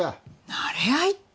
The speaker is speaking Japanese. なれ合いって！